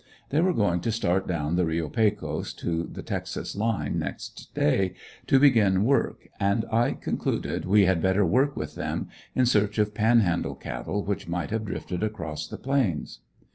They were going to start down the Reo Pecos to the Texas line, next day, to begin work and I concluded we had better work with them, in search of Panhandle cattle which might have drifted across the Plains.